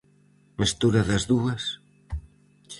Mestura das dúas?